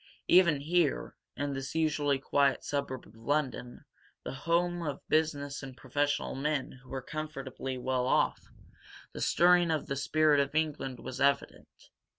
Even here, in this usually quiet suburb of London, the home of business and professional men who were comfortably well off, the stirring of the spirit of England was evident.